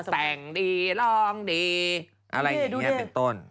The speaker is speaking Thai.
แต่งดีร้องดีอะไรอย่างนี้เป็นต้น